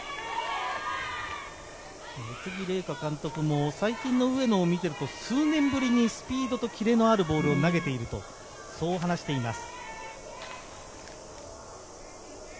監督も最近の上野を見ていると数年ぶりにスピードとキレのあるボールを投げていると話しています。